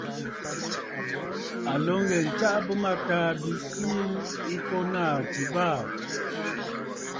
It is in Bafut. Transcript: À lǒ ŋghɛ̀ɛ̀ ǹtsaʼa bɨ̂mâtaà bi sii ŋko naà ji baà.